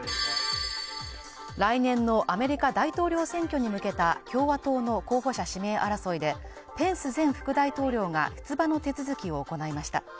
来年のアメリカ大統領選挙に向けた共和党の候補者指名争いでペンス前副大統領が出馬の手続きを行いました。